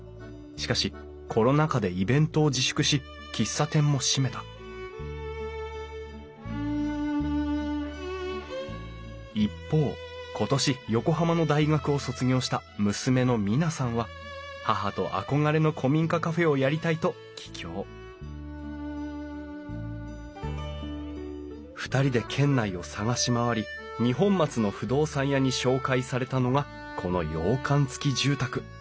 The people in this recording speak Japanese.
しかしコロナ禍でイベントを自粛し喫茶店も閉めた一方今年横浜の大学を卒業した娘の美奈さんは母と憧れの古民家カフェをやりたいと帰郷２人で県内を探し回り二本松の不動産屋に紹介されたのがこの洋館付き住宅。